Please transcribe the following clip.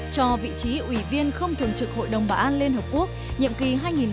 cho vị trí ủy viên không thường trực hội đồng bảo an liên hợp quốc nhiệm kỳ hai nghìn hai mươi hai nghìn hai mươi một